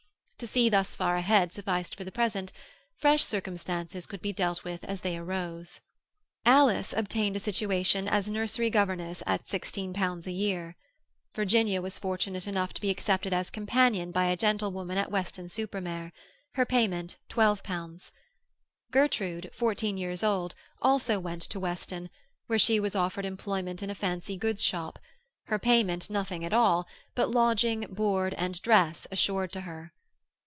To see thus far ahead sufficed for the present; fresh circumstances could be dealt with as they arose. Alice obtained a situation as nursery governess at sixteen pounds a year. Virginia was fortunate enough to be accepted as companion by a gentlewoman at Weston super Mare; her payment, twelve pounds. Gertrude, fourteen years old, also went to Weston, where she was offered employment in a fancy goods shop—her payment nothing at all, but lodging, board, and dress assured to her.